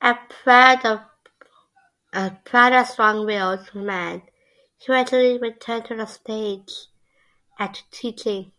A proud and strong-willed man, he eventually returned to the stage and to teaching.